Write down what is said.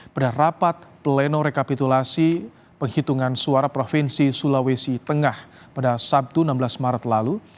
pada rapat pleno rekapitulasi penghitungan suara provinsi sulawesi tengah pada sabtu enam belas maret lalu